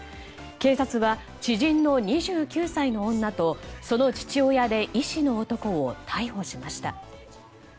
警察は知人の２９歳の女とその父親で医師の男を逮捕しました。